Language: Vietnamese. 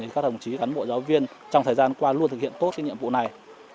thì các đồng chí các bộ giáo viên trong thời gian qua luôn thực hiện tốt cái nhiệm vụ này